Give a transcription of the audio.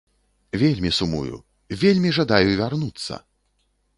Вельмі сумую, вельмі жадаю вярнуцца!